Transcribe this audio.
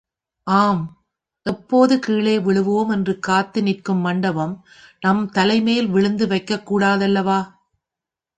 ஆம், எப்போது கீழே விழுவோம் என்று காத்து நிற்கும் மண்டபம் நம் தலைமேல் விழுந்து வைக்கக் கூடாதல்லவா?